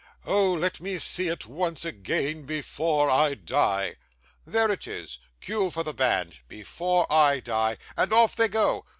Oh! let me see it once again before I die!" There it is cue for the band, BEFORE I DIE, and off they go.